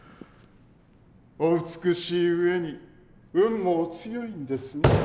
お美しい上に運もお強いんですね。